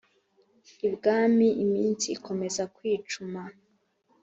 Ibwami iminsi ikomeza kwicuma